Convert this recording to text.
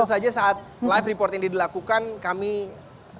tentu saja saat live report ini dilakukan kami terangkan